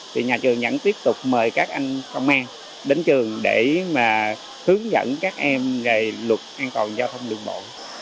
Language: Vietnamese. thì nhà trường vẫn tiếp tục mời các anh công an đến trường để mà hướng dẫn các em về luật an toàn giao thông đường bộ